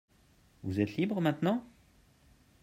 Vous êtes libre maintenant ?